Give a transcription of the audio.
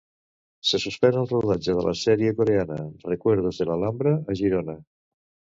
Se suspèn el rodatge de la sèrie coreana 'Recuerdos de la Alhambra'a Girona.